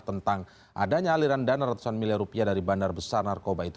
tentang adanya aliran dana ratusan miliar rupiah dari bandar besar narkoba itu